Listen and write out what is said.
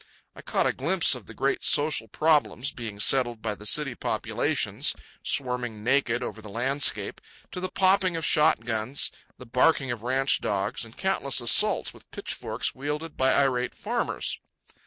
I caught a glimpse of the great social problems being settled by the city populations swarming naked over the landscape, to the popping of shot guns, the barking of ranch dogs, and countless assaults with pitchforks wielded by irate farmers.